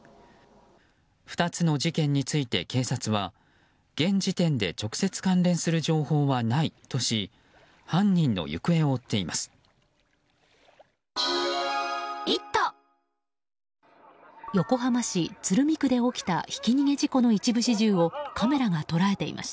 ２つの事件について、警察は現時点で直接関連する情報はないとし犯人の行方を追っています。